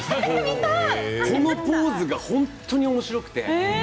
このポーズが本当におもしろくて。